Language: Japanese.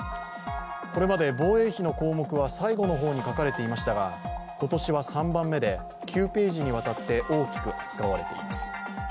これまで防衛費の項目は最後の方に書かれていましたが、今年は３番目で９ページにわたって大きく扱われています。